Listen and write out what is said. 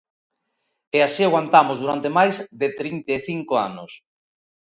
E así aguantamos durante máis de trinta e cinco anos.